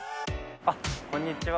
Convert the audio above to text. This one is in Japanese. あっこんにちは。